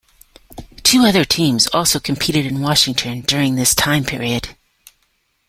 Two other teams also competed in Washington during this time period.